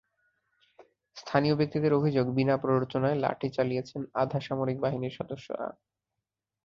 স্থানীয় ব্যক্তিদের অভিযোগ, বিনা প্ররোচনায় লাঠি চালিয়েছেন আধা সামরিক বাহিনীর সদস্যরা।